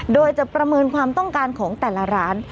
โดยจะประเมินความต้องการของแต่ละร้าน